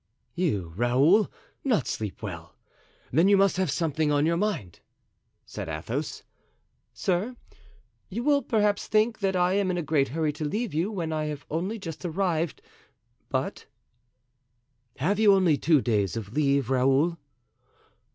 "You, Raoul, not sleep well! then you must have something on your mind!" said Athos. "Sir, you will perhaps think that I am in a great hurry to leave you when I have only just arrived, but——" "Have you only two days of leave, Raoul?"